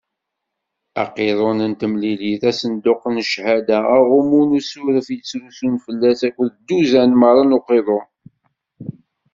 Aqiḍun n temlilit, asenduq n cchada, aɣummu n usuref yettrusun fell-as akked dduzan meṛṛa n uqiḍun.